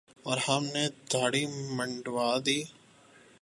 اور ہم نے دھاڑی منڈوادی ۔